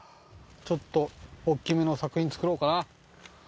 ちょっと大きめの作品、作ろうかな。